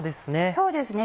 そうですね。